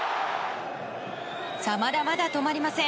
まだまだ止まりません。